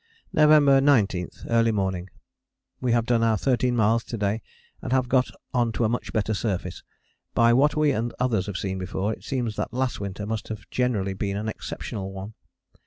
November 19. Early morning. We have done our 13 miles to day and have got on to a much better surface. By what we and others have seen before, it seems that last winter must have generally been an exceptional one.